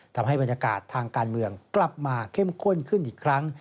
ทำให้บรรยากาศทางการเมืองกลับมาเข้มข้นขึ้นอีกครั้ง